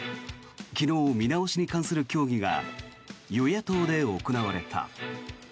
昨日、見直しに関する協議が与野党で行われた。